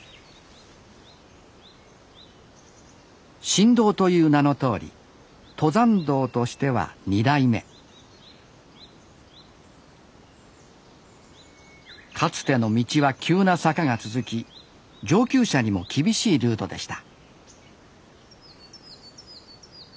新道という名のとおり登山道としては２代目かつての道は急な坂が続き上級者にも厳しいルートでした